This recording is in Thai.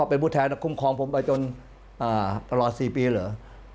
เป็นผู้แทนคุ้มครองผมไปจนตลอด๔ปีเหรอ